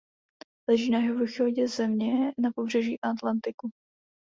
Leží na jihovýchodě země na pobřeží Atlantiku.